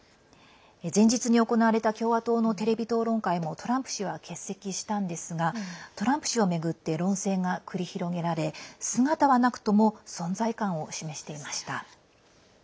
前日に行われた共和党のテレビ討論会もトランプ氏は欠席したんですがトランプ氏を巡って論戦が繰り広げられ姿はなくとも存在感を示していました。